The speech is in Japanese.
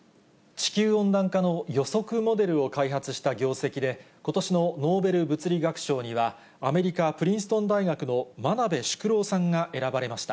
地球温暖化の予測モデルを開発した業績で、今年のノーベル物理学賞には、アメリカ・プリンストン大学の真鍋淑郎さんが選ばれました。